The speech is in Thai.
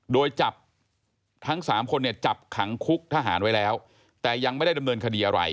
โดยจับทั้งสามคนเนี่ยจับขังคุกทหารไว้แล้วแต่ยังไม่ได้ดำเนินคดีอะไร